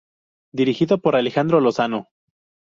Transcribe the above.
Dirigido por Alejandro Lozano.